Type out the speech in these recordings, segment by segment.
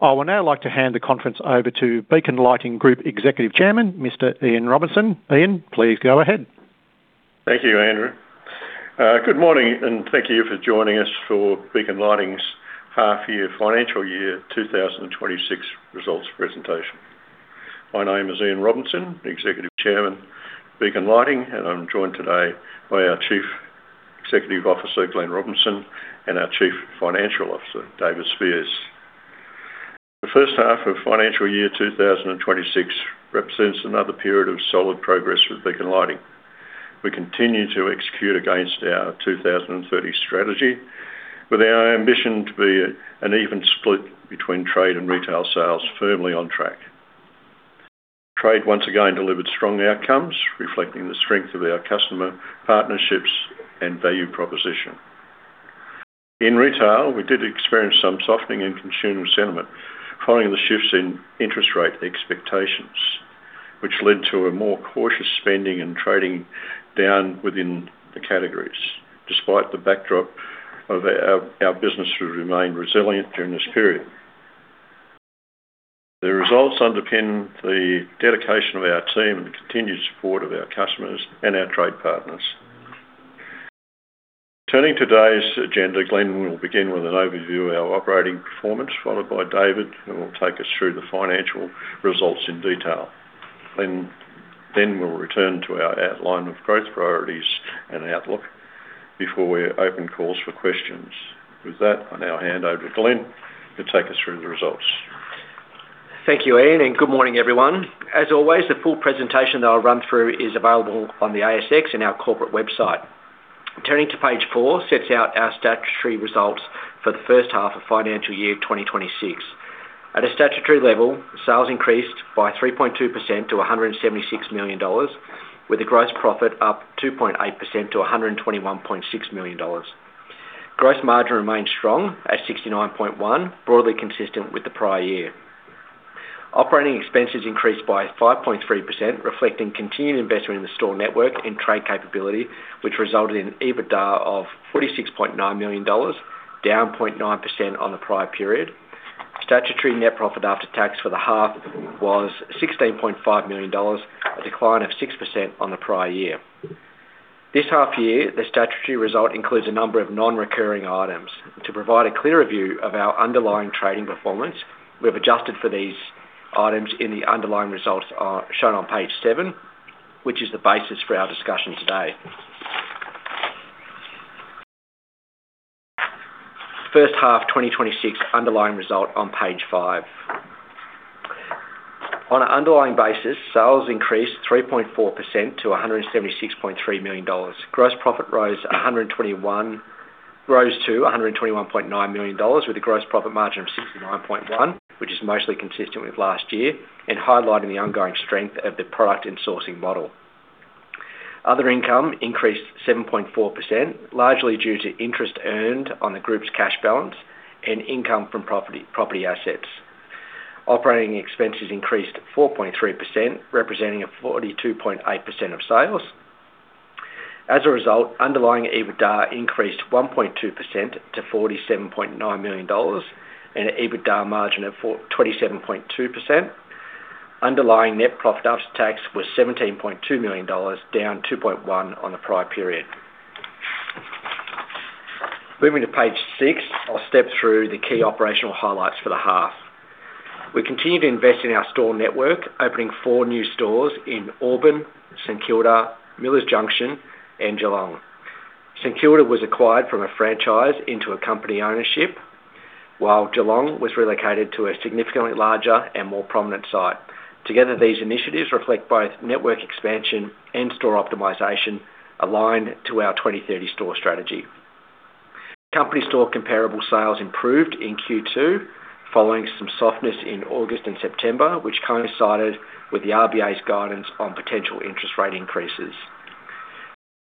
I would now like to hand the conference over to Beacon Lighting Group Executive Chairman, Mr. Ian Robinson. Ian, please go ahead. Thank you, Andrew. Good morning, and thank you for joining us for Beacon Lighting's half year financial year 2026 results presentation. My name is Ian Robinson, the Executive Chairman, Beacon Lighting, and I'm joined today by our Chief Executive Officer, Glen Robinson, and our Chief Financial Officer, David Speirs. The first half of financial year 2026 represents another period of solid progress with Beacon Lighting. We continue to execute against our 2030 strategy, with our ambition to be an even split between Trade and Retail sales firmly on track. Trade once again delivered strong outcomes, reflecting the strength of our customer partnerships, and value proposition. In Retail, we did experience some softening in consumer sentiment, following the shifts in interest rate expectations, which led to a more cautious spending and trading down within the categories. Despite the backdrop of our business has remained resilient during this period. The results underpin the dedication of our team and the continued support of our customers and our Trade partners. Turning today's agenda, Glen will begin with an overview of our operating performance, followed by David, who will take us through the financial results in detail. Then we'll return to our outline of growth priorities and outlook before we open calls for questions. With that, I now hand over to Glen to take us through the results. Thank you, Ian, and good morning, everyone. As always, the full presentation that I'll run through is available on the ASX in our corporate website. Turning to page 4, sets out our statutory results for the first half of financial year 2026. At a statutory level, sales increased by 3.2% to 176 million dollars, with the gross profit up 2.8% to 121.6 million dollars. Gross margin remains strong at 69.1%, broadly consistent with the prior year. Operating expenses increased by 5.3%, reflecting continued investment in the store network and Trade capability, which resulted in EBITDA of 46.9 million dollars, down 0.9% on the prior period. Statutory net profit after tax for the half was 16.5 million dollars, a decline of 6% on the prior year. This half year, the statutory result includes a number of non-recurring items. To provide a clearer view of our underlying trading performance, we've adjusted for these items in the underlying results, shown on page 7, which is the basis for our discussion today. First half 2026 underlying result on page 5. On an underlying basis, sales increased 3.4% to 176.3 million dollars. Gross profit rose to 121.9 million dollars, with a gross profit margin of 69.1%, which is mostly consistent with last year, and highlighting the ongoing strength of the product and sourcing model. Other income increased 7.4%, largely due to interest earned on the group's cash balance and income from property, property assets. Operating expenses increased 4.3%, representing 42.8% of sales. As a result, underlying EBITDA increased 1.2% to 47.9 million dollars, and an EBITDA margin of 27.2%. Underlying net profit after tax was 17.2 million dollars, down 2.1% on the prior period. Moving to page 6, I'll step through the key operational highlights for the half. We continued to invest in our store network, opening 4 new stores in Auburn, St Kilda, Millers Junction, and Geelong. St Kilda was acquired from a franchise into a company ownership, while Geelong was relocated to a significantly larger and more prominent site. Together, these initiatives reflect both network expansion and store optimization aligned to our 2030 store strategy. Company store comparable sales improved in Q2, following some softness in August and September, which coincided with the RBA's guidance on potential interest rate increases.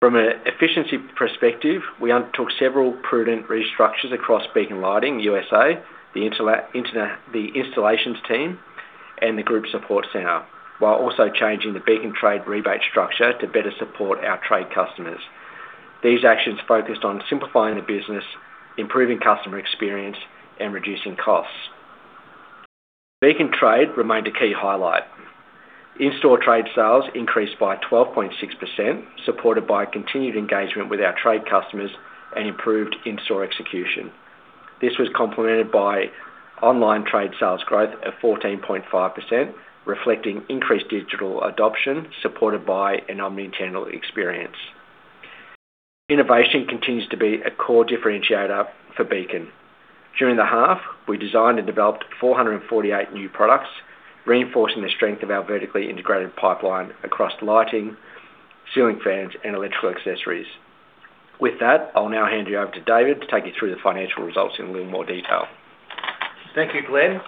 From an efficiency perspective, we undertook several prudent restructures across Beacon Lighting USA, the installations team, and the group support center, while also changing the Beacon Trade Rebate Structure to better support our Trade customers. These actions focused on simplifying the business, improving customer experience, and reducing costs. Beacon Trade remained a key highlight. In-store Trade sales increased by 12.6%, supported by continued engagement with our Trade customers and improved in-store execution. This was complemented by online Trade sales growth of 14.5%, reflecting increased digital adoption, supported by an omnichannel experience. Innovation continues to be a core differentiator for Beacon. During the half, we designed and developed 448 new products, reinforcing the strength of our vertically integrated pipeline across lighting, ceiling fans, and electrical accessories. With that, I'll now hand you over to David to take you through the financial results in a little more detail. Thank you, Glen.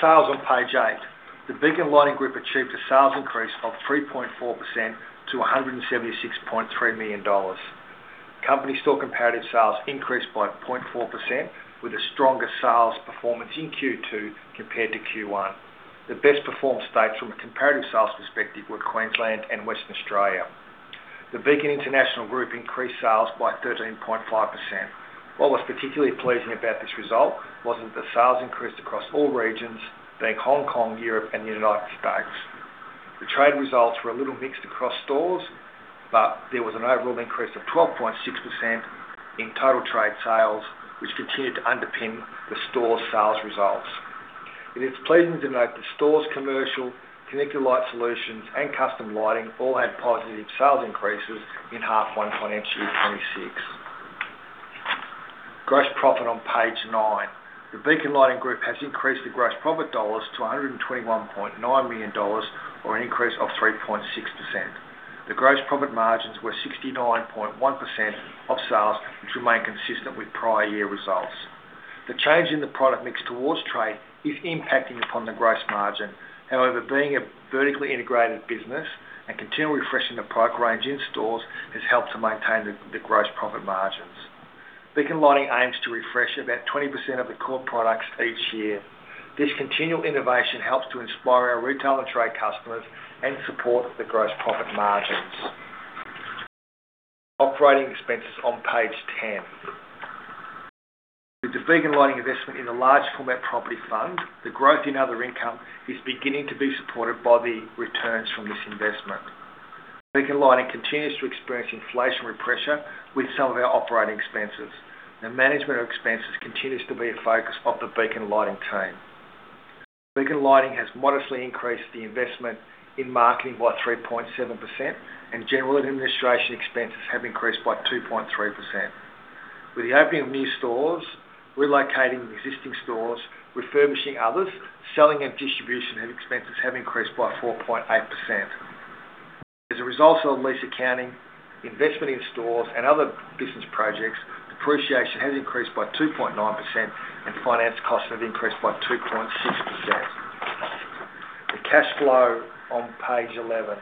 Sales on page 8. The Beacon Lighting Group achieved a sales increase of 3.4% to 176.3 million dollars. Company store comparative sales increased by 0.4%, with the strongest sales performance in Q2 compared to Q1. The best performed states from a comparative sales perspective were Queensland and Western Australia. The Beacon International Group increased sales by 13.5%. What was particularly pleasing about this result was that the sales increased across all regions, being Hong Kong, Europe, and United States. The Trade results were a little mixed across stores, but there was an overall increase of 12.6% in total Trade sales, which continued to underpin the store's sales results. It is pleasing to note the Stores, Commercial, Connected Light Solutions, and Custom Lighting all had positive sales increases in half one, financial year 2026. Gross profit on page nine. The Beacon Lighting Group has increased the gross profit dollars to 121.9 million dollars, or an increase of 3.6%. The gross profit margins were 69.1% of sales, which remain consistent with prior year results. The change in the product mix towards Trade is impacting upon the gross margin. However, being a vertically integrated business and continual refreshing the product range in stores, has helped to maintain the gross profit margins. Beacon Lighting aims to refresh about 20% of the core products each year. This continual innovation helps to inspire our Retail and Trade customers and support the gross profit margins. Operating expenses on page 10. With the Beacon Lighting investment in the Large Format Property Fund, the growth in other income is beginning to be supported by the returns from this investment. Beacon Lighting continues to experience inflationary pressure with some of our operating expenses. The management of expenses continues to be a focus of the Beacon Lighting team. Beacon Lighting has modestly increased the investment in marketing by 3.7%, and general administration expenses have increased by 2.3%. With the opening of new stores, relocating existing stores, refurbishing others, selling and distribution expenses have increased by 4.8%. As a result of lease accounting, investment in stores, and other business projects, depreciation has increased by 2.9%, and finance costs have increased by 2.6%. The cash flow on page 11.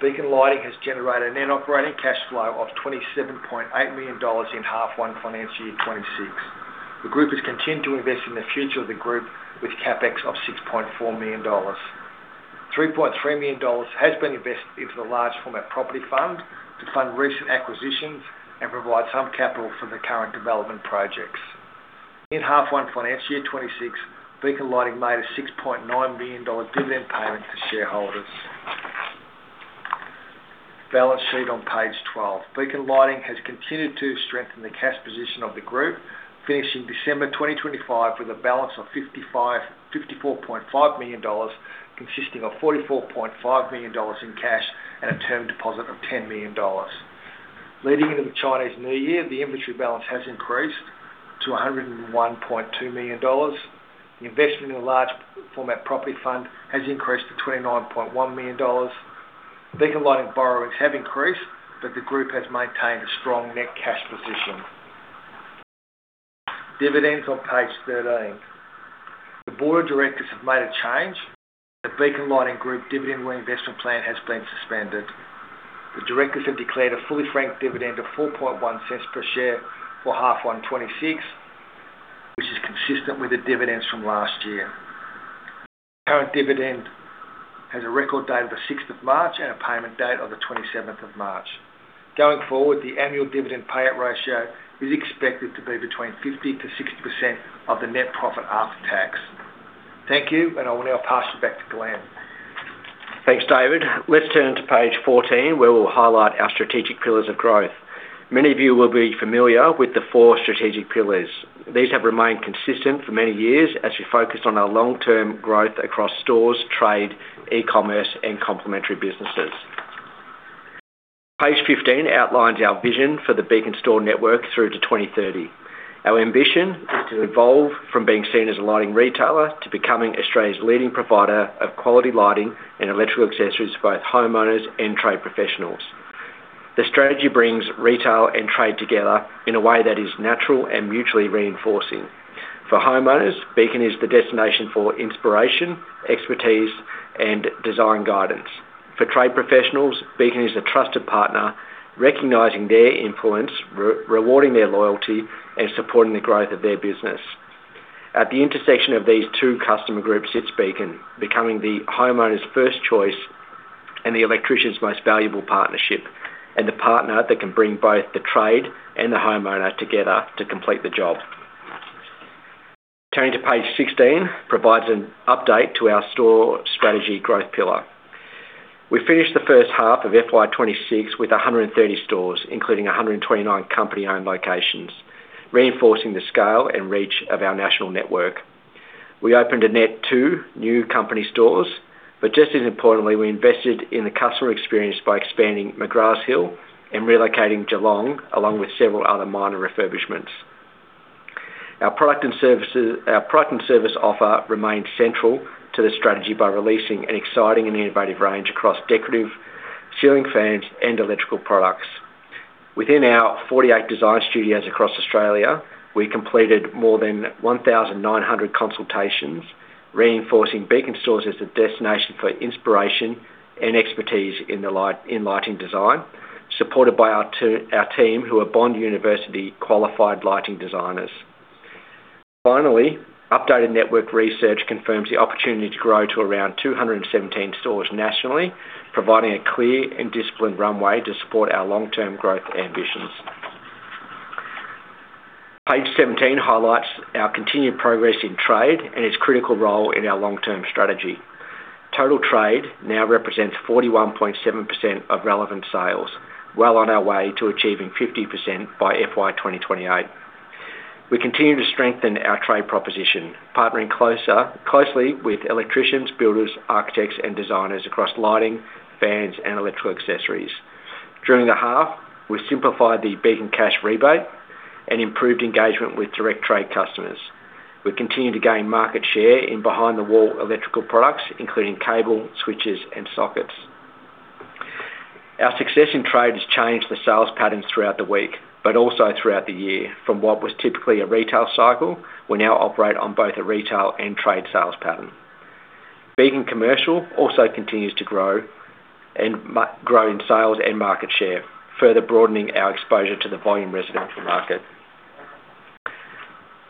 Beacon Lighting has generated a net operating cash flow of 27.8 million dollars in half one, financial year 2026. The group has continued to invest in the future of the group with CapEx of 6.4 million dollars. 3.3 million dollars has been invested into the Large Format Property Fund to fund recent acquisitions and provide some capital for the current development projects. In half one, financial year 2026, Beacon Lighting made a 6.9 million dollar dividend payment to shareholders. Balance sheet on page 12. Beacon Lighting has continued to strengthen the cash position of the group, finishing December 2025 with a balance of 54.5 million dollars, consisting of 44.5 million dollars in cash and a term deposit of 10 million dollars. Leading into the Chinese New Year, the inventory balance has increased to 101.2 million dollars. The investment in the Large Format Property Fund has increased to 29.1 million dollars. Beacon Lighting borrowings have increased, but the group has maintained a strong net cash position. Dividends on page 13. The Board of Directors have made a change. The Beacon Lighting Group dividend reinvestment plan has been suspended. The Directors have declared a fully franked dividend of 0.041 per share for half one, 2026, which is consistent with the dividends from last year. Current dividend has a record date of the 6th of March and a payment date of the 27th of March. Going forward, the annual dividend payout ratio is expected to be between 50%-60% of the net profit after tax. Thank you, and I will now pass you back to Glen. Thanks, David. Let's turn to page 14, where we'll highlight our strategic pillars of growth. Many of you will be familiar with the 4 strategic pillars. These have remained consistent for many years as we focus on our long-term growth across stores, Trade, e-commerce, and complementary businesses. Page 15 outlines our vision for the Beacon Store network through to 2030. Our ambition is to evolve from being seen as a lighting Retailer to becoming Australia's leading provider of quality lighting and electrical accessories for both homeowners and Trade professionals. The strategy brings Retail and Trade together in a way that is natural and mutually reinforcing. For homeowners, Beacon is the destination for inspiration, expertise, and design guidance. For Trade professionals, Beacon is a trusted partner, recognizing their influence, rewarding their loyalty, and supporting the growth of their business. At the intersection of these two customer groups, it's Beacon, becoming the homeowner's first choice and the electrician's most valuable partnership, and the partner that can bring both the Trade and the homeowner together to complete the job. Turning to page 16, provides an update to our store strategy growth pillar. We finished the first half of FY 2026 with 130 stores, including 129 company-owned locations, reinforcing the scale and reach of our national network. We opened a net 2 new company stores, but just as importantly, we invested in the customer experience by expanding McGraths Hill and relocating Geelong, along with several other minor refurbishments. Our product and service offer remained central to the strategy by releasing an exciting and innovative range across decorative, ceiling fans, and electrical products. Within our 48 design studios across Australia, we completed more than 1,900 consultations, reinforcing Beacon stores as the destination for inspiration and expertise in lighting design, supported by our team, who are Bond University-qualified lighting designers. Finally, updated network research confirms the opportunity to grow to around 217 stores nationally, providing a clear and disciplined runway to support our long-term growth ambitions. Page 17 highlights our continued progress in Trade and its critical role in our long-term strategy. Total Trade now represents 41.7% of relevant sales, well on our way to achieving 50% by FY 2028. We continue to strengthen our Trade proposition, partnering closely with electricians, builders, architects, and designers across lighting, fans, and electrical accessories. During the half, we simplified the Beacon Cash Rebate and improved engagement with direct Trade customers. We continue to gain market share in behind-the-wall electrical products, including cable, switches, and sockets. Our success in Trade has changed the sales patterns throughout the week, but also throughout the year. From what was typically a Retail cycle, we now operate on both a Retail and Trade sales pattern. Beacon Commercial also continues to grow and grow in sales and market share, further broadening our exposure to the volume residential market.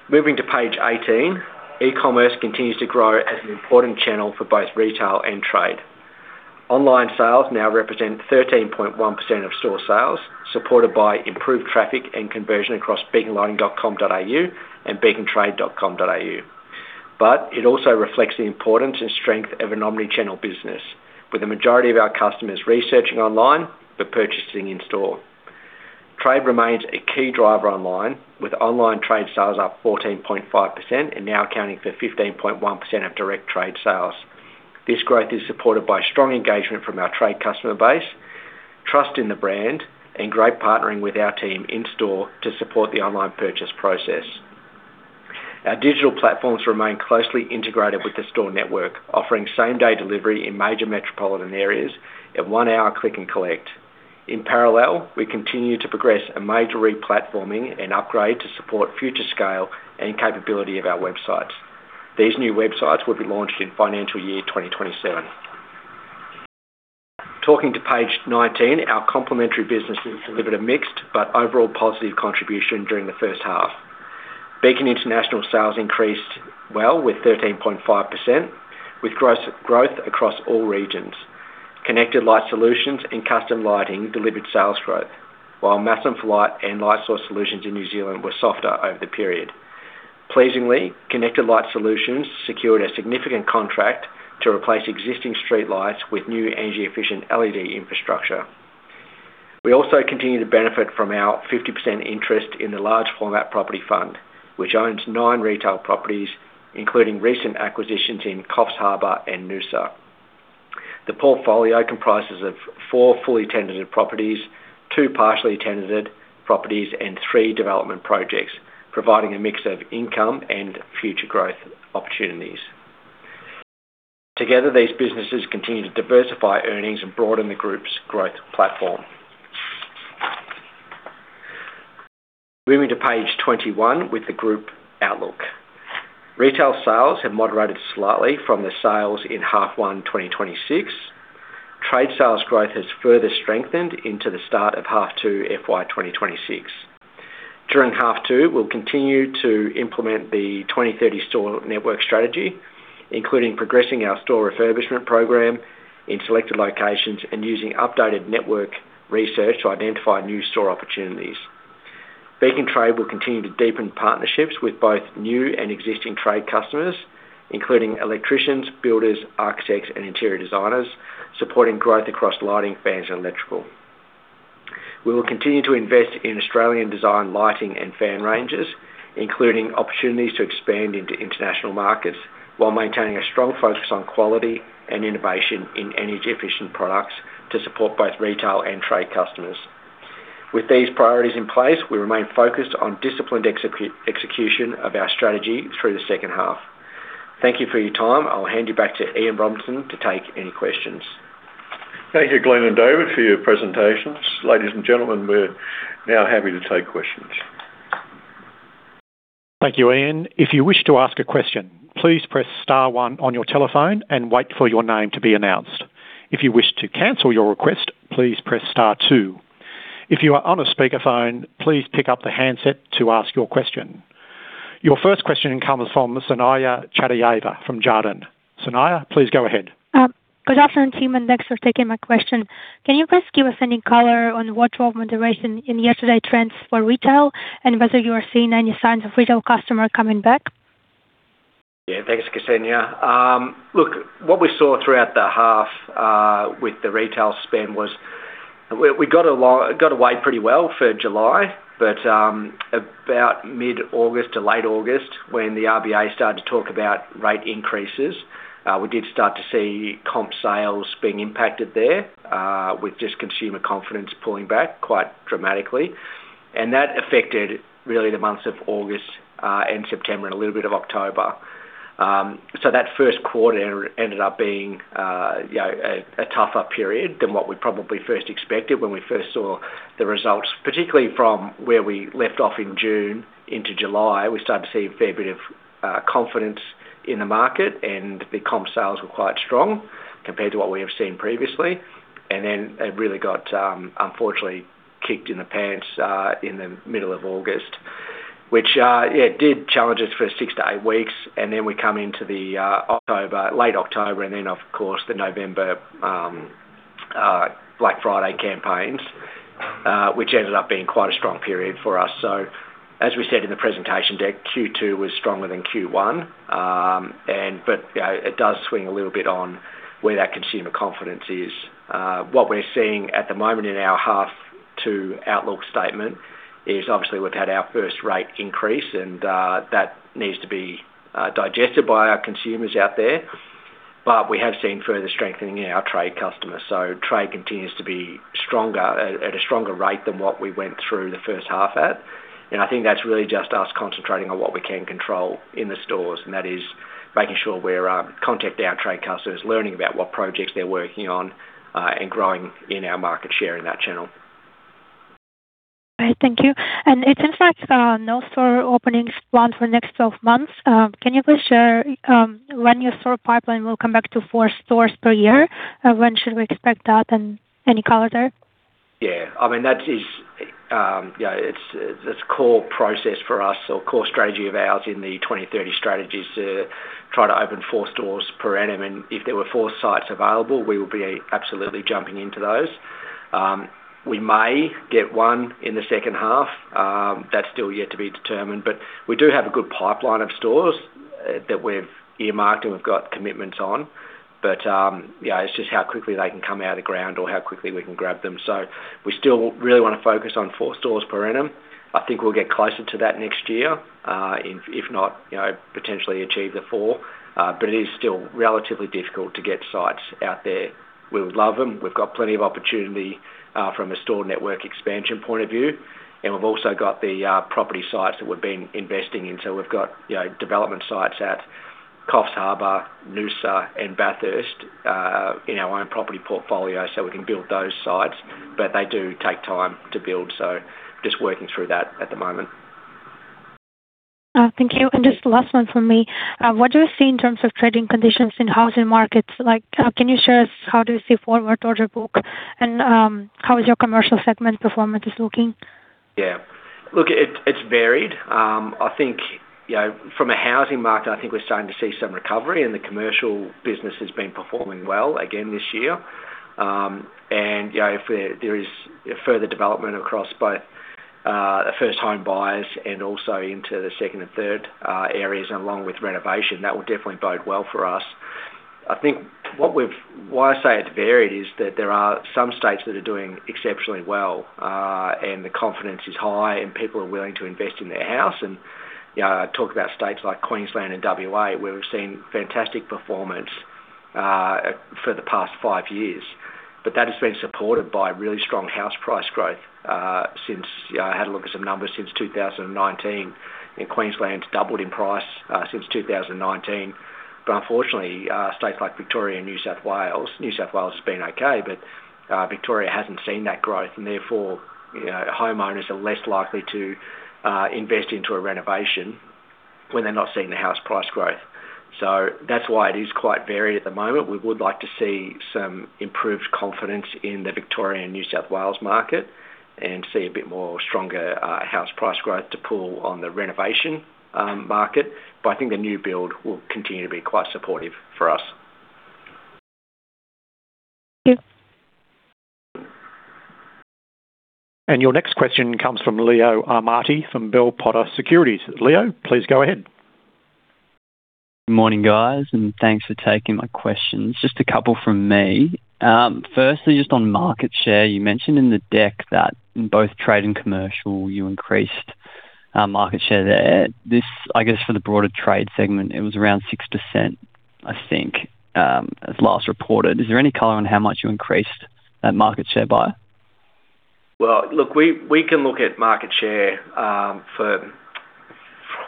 Moving to page 18, e-commerce continues to grow as an important channel for both Retail and Trade. Online sales now represent 13.1% of store sales, supported by improved traffic and conversion across beaconlighting.com.au and beacontrade.com.au. But it also reflects the importance and strength of an omni-channel business, with the majority of our customers researching online but purchasing in-store. Trade remains a key driver online, with online Trade sales up 14.5% and now accounting for 15.1% of direct Trade sales. This growth is supported by strong engagement from our Trade customer base, trust in the brand, and great partnering with our team in-store to support the online purchase process. Our digital platforms remain closely integrated with the store network, offering same-day delivery in major metropolitan areas and 1-hour Click and Collect. In parallel, we continue to progress a major re-platforming and upgrade to support future scale and capability of our websites. These new websites will be launched in financial year 2027. Talking to page 19, our complementary businesses delivered a mixed but overall positive contribution during the first half. Beacon International sales increased well with 13.5%, with gross growth across all regions. Connected Light Solutions and Custom Lighting delivered sales growth, while Maxim Lighting and Light Source Solutions in New Zealand were softer over the period. Pleasingly, Connected Light Solutions secured a significant contract to replace existing streetlights with new energy-efficient LED infrastructure. We also continue to benefit from our 50% interest in the Large Format Property Fund, which owns 9 Retail properties, including recent acquisitions in Coffs Harbour and Noosa. The portfolio comprises of 4 fully tenanted properties, 2 partially tenanted properties, and 3 development projects, providing a mix of income and future growth opportunities. Together, these businesses continue to diversify earnings and broaden the group's growth platform. Moving to page 21, with the group outlook. Retail sales have moderated slightly from the sales in half 1, 2026. Trade sales growth has further strengthened into the start of half two, FY 2026. During half two, we'll continue to implement the 2030 store network strategy, including progressing our store refurbishment program in selected locations and using updated network research to identify new store opportunities. Beacon Trade will continue to deepen partnerships with both new and existing Trade customers, including electricians, builders, architects, and interior designers, supporting growth across lighting, fans, and electrical. We will continue to invest in Australian design, lighting, and fan ranges, including opportunities to expand into international markets, while maintaining a strong focus on quality and innovation in energy-efficient products to support both Retail and Trade customers. With these priorities in place, we remain focused on disciplined execution of our strategy through the second half. Thank you for your time. I'll hand you back to Ian Robinson to take any questions. Thank you, Glen and David, for your presentations. Ladies and gentlemen, we're now happy to take questions. Thank you, Ian. If you wish to ask a question, please press star one on your telephone and wait for your name to be announced. If you wish to cancel your request, please press star two. If you are on a speakerphone, please pick up the handset to ask your question. Your first question comes from Kseniya Chataya from Jarden. Kseniya, please go ahead. Good afternoon, team, and thanks for taking my question. Can you please give us any color on what drove moderation in yesterday's trends for Retail, and whether you are seeing any signs of Retail customer coming back? Yeah, thanks, Kseniya. Look, what we saw throughout the half with the Retail spend was we got away pretty well for July, but about mid-August to late August, when the RBA started to talk about rate increases, we did start to see comp sales being impacted there with just consumer confidence pulling back quite dramatically. And that affected really the months of August and September and a little bit of October. So that first quarter ended up being, you know, a tougher period than what we probably first expected when we first saw the results, particularly from where we left off in June into July. We started to see a fair bit of confidence in the market, and the comp sales were quite strong compared to what we have seen previously, and then it really got, unfortunately, kicked in the pants in the middle of August, which, yeah, it did challenge us for 6 weeks-8 weeks, and then we come into October, late October, and then, of course, the November Black Friday campaigns, which ended up being quite a strong period for us. So as we said in the presentation deck, Q2 was stronger than Q1, and but, you know, it does swing a little bit on where that consumer confidence is. What we're seeing at the moment in our half two outlook statement is obviously we've had our first rate increase, and that needs to be digested by our consumers out there. But we have seen further strengthening in our Trade customers. So Trade continues to be stronger at a stronger rate than what we went through the first half at. And I think that's really just us concentrating on what we can control in the stores, and that is making sure we're contacting our Trade customers, learning about what projects they're working on, and growing in our market share in that channel. Great, thank you. It seems like no store openings planned for the next 12 months. Can you please share when your store pipeline will come back to four stores per year? When should we expect that and any color there? Yeah, I mean, that is, you know, it's, it's a core process for us or core strategy of ours in the 2030 strategy, is to try to open four stores per annum, and if there were four sites available, we would be absolutely jumping into those. We may get one in the second half, that's still yet to be determined, but we do have a good pipeline of stores, that we've earmarked and we've got commitments on. But, yeah, it's just how quickly they can come out of the ground or how quickly we can grab them. So we still really want to focus on four stores per annum. I think we'll get closer to that next year, if, if not, you know, potentially achieve the four, but it is still relatively difficult to get sites out there. We would love them. We've got plenty of opportunity from a store network expansion point of view, and we've also got the property sites that we've been investing in. So we've got, you know, development sites at Coffs Harbour, Noosa and Bathurst in our own property portfolio, so we can build those sites, but they do take time to build. So just working through that at the moment. Thank you. And just last one from me. What do you see in terms of trading conditions in housing markets? Like, can you share us how do you see forward order book and, how is your Commercial segment performance is looking? Yeah. Look, it's varied. I think, you know, from a housing market, I think we're starting to see some recovery, and the Commercial business has been performing well again this year. And, you know, if there is further development across both, the first home buyers and also into the second and third areas, along with renovation, that will definitely bode well for us. I think what we've, why I say it's varied, is that there are some states that are doing exceptionally well, and the confidence is high, and people are willing to invest in their house. And, you know, I talk about states like Queensland and WA, where we've seen fantastic performance, for the past five years. But that has been supported by really strong house price growth. Since I had a look at some numbers since 2019, and Queensland's doubled in price since 2019. But unfortunately, states like Victoria and New South Wales, New South Wales has been okay. But Victoria hasn't seen that growth, and therefore, you know, homeowners are less likely to invest into a renovation when they're not seeing the house price growth. So that's why it is quite varied at the moment. We would like to see some improved confidence in the Victoria and New South Wales market and see a bit more stronger house price growth to pull on the renovation market. But I think the new build will continue to be quite supportive for us. Thank you. Your next question comes from Leo Armati, from Bell Potter Securities. Leo, please go ahead. Good morning, guys, and thanks for taking my questions. Just a couple from me. Firstly, just on market share, you mentioned in the deck that in both Trade and Commercial, you increased market share there. This, I guess, for the broader Trade segment, it was around 6%, I think, as last reported. Is there any color on how much you increased that market share by? Well, look, we can look at market share for,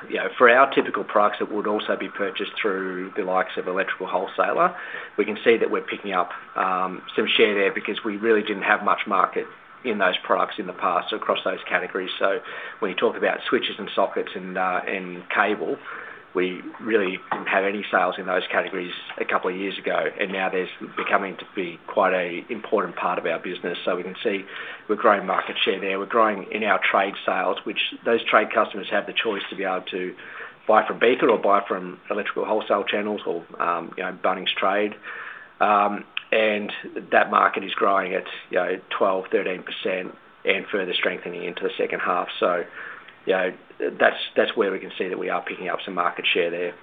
you know, for our typical products that would also be purchased through the likes of electrical wholesaler. We can see that we're picking up some share there because we really didn't have much market in those products in the past across those categories. So when you talk about switches and sockets and and cable, we really didn't have any sales in those categories a couple of years ago, and now there's becoming to be quite a important part of our business. So we can see we're growing market share there. We're growing in our Trade sales, which those Trade customers have the choice to be able to buy from Beacon or buy from electrical wholesale channels or, you know, Bunnings Trade. And that market is growing at, you know, 12%-13% and further strengthening into the second half. So you know, that's, that's where we can see that we are picking up some market share there.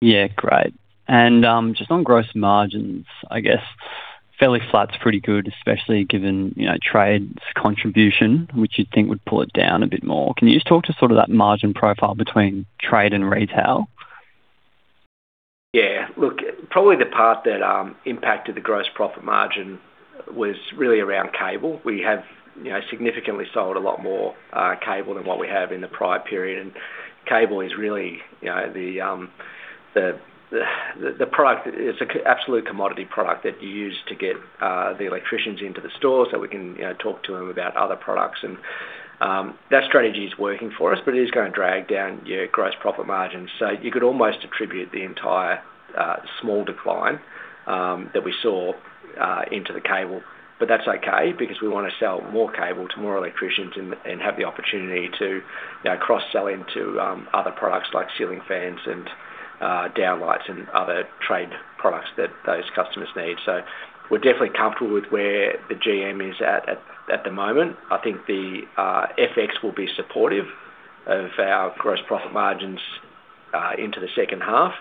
Yeah, great. And, just on gross margins, I guess, fairly flat is pretty good, especially given, you know, Trade's contribution, which you'd think would pull it down a bit more. Can you just talk to sort of that margin profile between Trade and Retail? Yeah. Look, probably the part that impacted the gross profit margin was really around cable. We have, you know, significantly sold a lot more cable than what we have in the prior period. And cable is really, you know, the product—it's an absolute commodity product that you use to get the electricians into the store so we can, you know, talk to them about other products. That strategy is working for us, but it is going to drag down your gross profit margins. So you could almost attribute the entire small decline that we saw into the cable. But that's okay because we want to sell more cable to more electricians and have the opportunity to, you know, cross-sell into other products like ceiling fans and downlights and other Trade products that those customers need. So we're definitely comfortable with where the GM is at the moment. I think the FX will be supportive of our gross profit margins into the second half,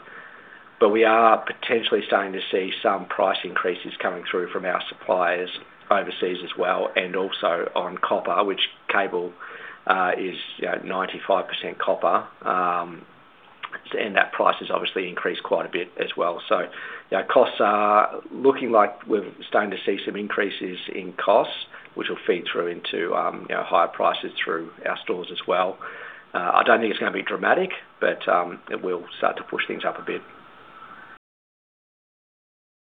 but we are potentially starting to see some price increases coming through from our suppliers overseas as well, and also on copper, which cable is, you know, 95% copper. And that price has obviously increased quite a bit as well. So, yeah, costs are looking like we're starting to see some increases in costs, which will feed through into, you know, higher prices through our stores as well. I don't think it's going to be dramatic, but it will start to push things up a bit.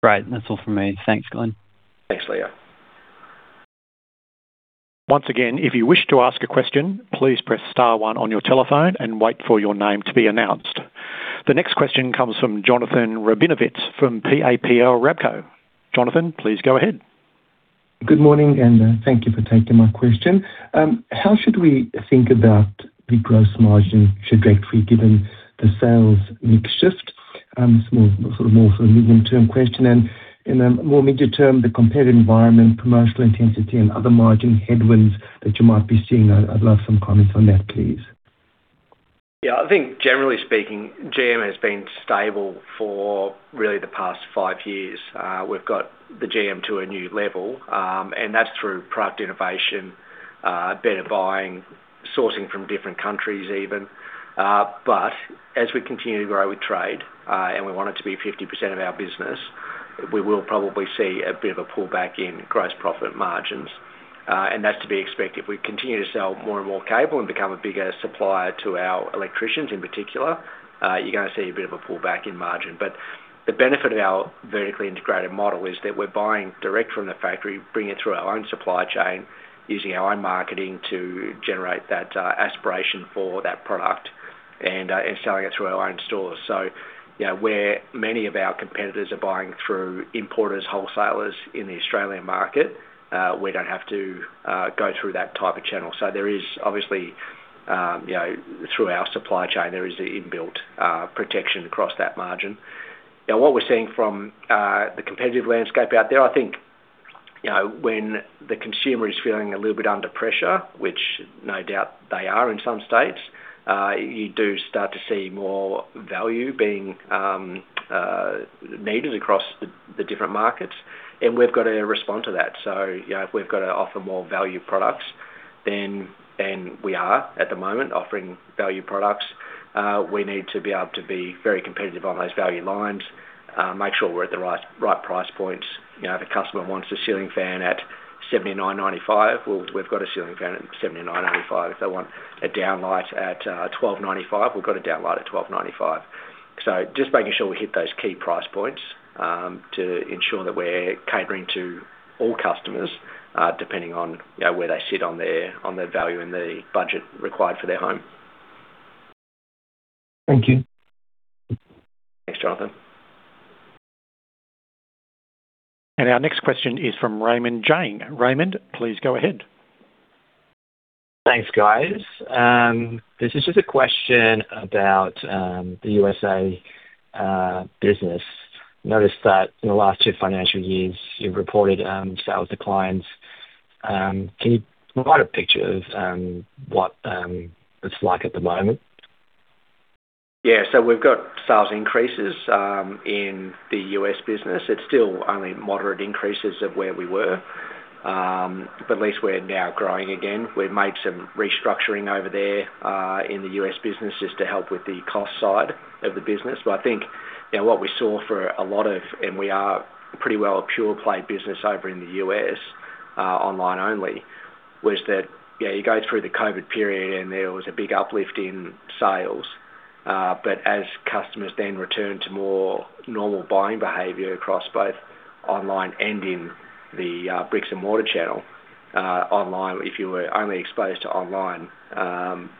Great. That's all from me. Thanks, Glen. Thanks, Leo. Once again, if you wish to ask a question, please press star one on your telephone and wait for your name to be announced. The next question comes from Jonathan Rabinovitz, from PAPL Rabco. Jonathan, please go ahead. Good morning, and thank you for taking my question. How should we think about the gross margin trajectory, given the sales mix shift? Sort of more for a medium-term question, and in a more major term, the competitive environment, promotional intensity, and other margin headwinds that you might be seeing. I'd love some comments on that, please? Yeah, I think generally speaking, GM has been stable for really the past five years. We've got the GM to a new level, and that's through product innovation, better buying, sourcing from different countries even. But as we continue to grow with Trade, and we want it to be 50% of our business, we will probably see a bit of a pullback in gross profit margins, and that's to be expected. If we continue to sell more and more cable and become a bigger supplier to our electricians, in particular, you're gonna see a bit of a pullback in margin. But the benefit of our vertically integrated model is that we're buying direct from the factory, bringing it through our own supply chain, using our own marketing to generate that aspiration for that product, and selling it through our own stores. So, you know, where many of our competitors are buying through importers, wholesalers in the Australian market, we don't have to go through that type of channel. So there is obviously, you know, through our supply chain, there is an inbuilt protection across that margin. Now, what we're seeing from the competitive landscape out there, I think, you know, when the consumer is feeling a little bit under pressure, which no doubt they are in some states, you do start to see more value being needed across the different markets, and we've got to respond to that. So, you know, if we've got to offer more value products, then, and we are at the moment offering value products, we need to be able to be very competitive on those value lines, make sure we're at the right, right price points. You know, if a customer wants a ceiling fan at 79.95, well, we've got a ceiling fan at 79.95. If they want a downlight at twelve ninety-five, we've got a downlight at 12.95. So just making sure we hit those key price points, to ensure that we're catering to all customers, depending on, you know, where they sit on their, on their value and the budget required for their home. Thank you. Thanks, Jonathan. Our next question is from Raymond Jang. Raymond, please go ahead. Thanks, guys. This is just a question about the USA business. Noticed that in the last two financial years, you've reported sales declines. Can you provide a picture of what it's like at the moment? Yeah. So we've got sales increases in the U.S. business. It's still only moderate increases of where we were. But at least we're now growing again. We've made some restructuring over there in the U.S. business, just to help with the cost side of the business. But I think, you know, what we saw for a lot of, and we are pretty well a pure play business over in the U.S., online only, was that, yeah, you go through the COVID period, and there was a big uplift in sales. But as customers then returned to more normal buying behavior across both online and in the bricks and mortar channel, online, if you were only exposed to online,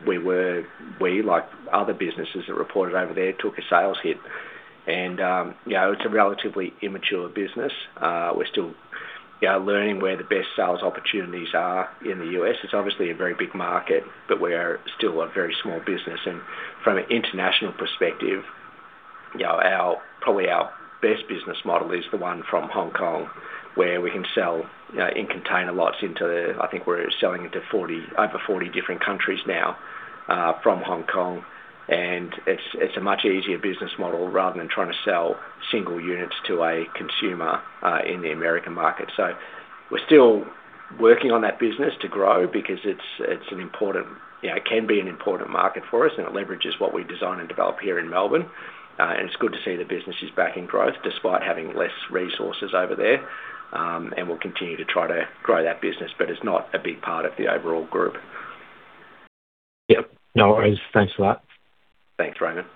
we were, we, like other businesses that reported over there, took a sales hit. And, you know, it's a relatively immature business. We're still learning where the best sales opportunities are in the U.S. It's obviously a very big market, but we are still a very small business. And from an international perspective, you know, our, probably our best business model is the one from Hong Kong, where we can sell, you know, in container lots into the, I think we're selling into 40, over 40 different countries now, from Hong Kong, and it's, it's a much easier business model rather than trying to sell single units to a consumer, in the American market. So we're still working on that business to grow because it's, it's an important, you know, it can be an important market for us, and it leverages what we design and develop here in Melbourne. It's good to see the business is back in growth, despite having less resources over there, and we'll continue to try to grow that business, but it's not a big part of the overall group. Yeah. No worries. Thanks a lot. Thanks, Raymond.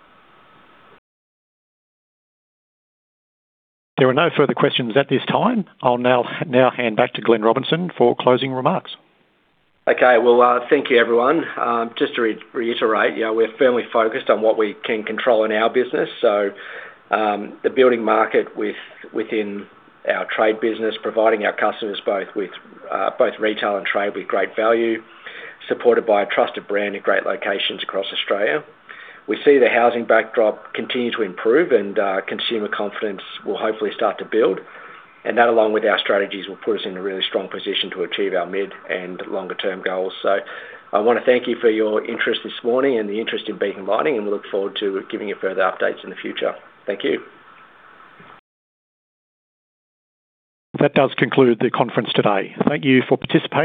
There are no further questions at this time. I'll now hand back to Glen Robinson for closing remarks. Okay. Well, thank you, everyone. Just to reiterate, you know, we're firmly focused on what we can control in our business. So, the building market within our Trade business, providing our customers both with, both Retail and Trade with great value, supported by a trusted brand and great locations across Australia. We see the housing backdrop continue to improve, and, consumer confidence will hopefully start to build, and that, along with our strategies, will put us in a really strong position to achieve our mid and longer-term goals. So I want to thank you for your interest this morning and the interest in Beacon Lighting, and we look forward to giving you further updates in the future. Thank you. That does conclude the conference today. Thank you for participating.